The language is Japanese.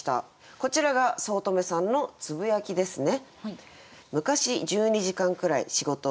こちらが五月女さんのつぶやきですね。